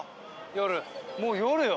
もう夜よ。